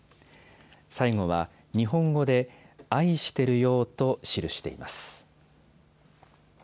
最後は日本語であいしてるよーと記しています。